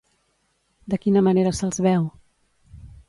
De quina manera se'ls veu?